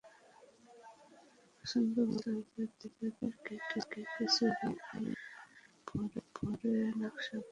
পছন্দমতো ছাঁচ দিয়ে কেটে ছুরি দিয়ে ওপরে নকশা করে নিতে পারেন।